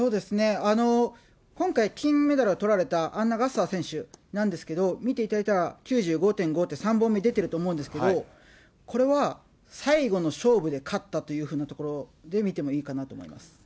今回、金メダルをとられた、アンナ・ガサー選手なんですけれども、見ていただいたら９５．５って、３本目出てると思うんですけど、これは最後の勝負で勝ったというふうなところで見てもいいかなと思います。